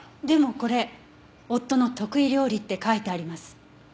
でもこれ夫の得意料理って書いてあります。